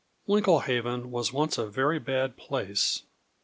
Winklehaven was once a very bad place.